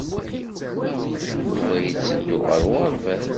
Yuba yetteddu ɣer uɣerbaz.